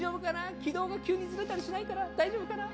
軌道が急にずれたりしないかな、大丈夫かな。